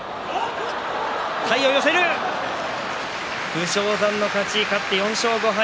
武将山の勝ち勝って４勝５敗。